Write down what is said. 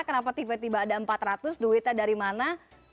kenapa tiba tiba ada empat ratus duitnya dari mana